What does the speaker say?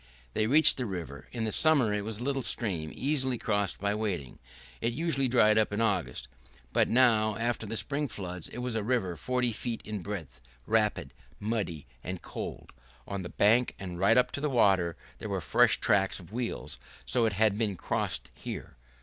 They reached the river. In the summer it was a little stream easily crossed by wading. It usually dried up in August, but now, after the spring floods, it was a river forty feet in breadth, rapid, muddy, and cold; on the bank and right up to the water there were fresh tracks of wheels, so it had been crossed here.